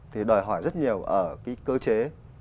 thì đòi hỏi rất nhiều ở cái cơ chế